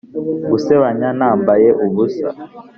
gusebanya nambaye ubusa,